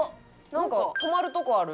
なんか止まるとこある。